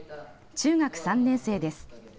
中学３年生です。